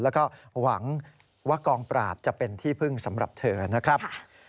แล้วก็หวังว่ากองปราบจะเป็นที่พึ่งสำหรับเธอนะครับ